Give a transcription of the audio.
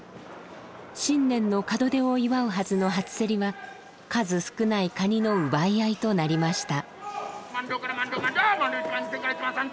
新年の門出を祝うはずの初競りは数少ないカニの奪い合いとなりました。